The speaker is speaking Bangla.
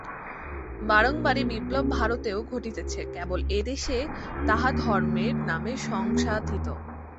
বারংবার এ বিপ্লব ভারতেও ঘটিতেছে, কেবল এ দেশে তাহা ধর্মের নামে সংসাধিত।